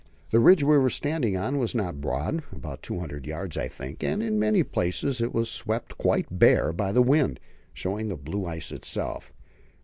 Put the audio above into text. The ridge we were standing on was not broad about two hundred yards, I think and in many places it was swept quite bare by the wind, showing the blue ice itself.